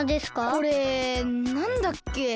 これなんだっけ？